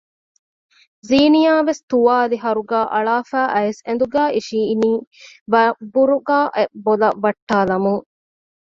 ޒިނިޔާވެސް ތުވާލި ހަރުގައި އަޅާފައި އައިސް އެނދުގައި އިށިއިނީ ވަށްބުރުގާއެއް ބޮލަށް ވައްޓާލަމުން